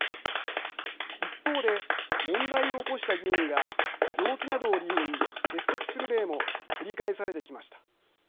一方で問題を起こした議員が病気などを理由に欠席する例も繰り返されてきました。